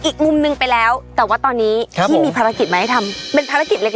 อีกหนึ่งเรื่องที่บิวชอบมากนั่นก็คือการเล่นกีฬา